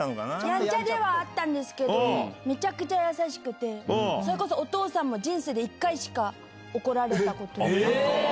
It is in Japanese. やんちゃではあったんですけど、めちゃくちゃ優しくて、それこそお父さんも人生で１回しか怒られたことない。